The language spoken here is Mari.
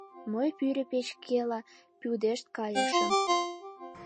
Мый пӱрӧ печкела пудешт кайышым.